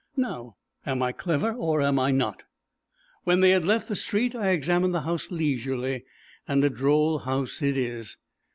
Now am I clever, or am I not? When they had left the street I examined the house leisurely, and a droll house it is.